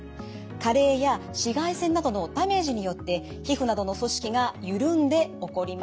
加齢や紫外線などのダメージによって皮膚などの組織が緩んで起こります。